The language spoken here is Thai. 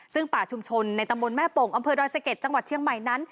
ซึ่งป่าชุมชนในตำบลแม่โป่งอำเภอดอยสะเก็ดจังหวัดเชียงใหม่นั้น